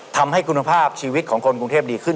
ทำให้คุณภาพชีวิตของคนกรุงเทพดีขึ้น